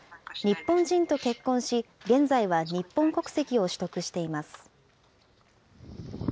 日本人と結婚し、現在は日本国籍を取得しています。